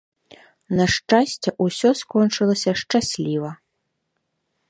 На шчасце, усё скончылася шчасліва.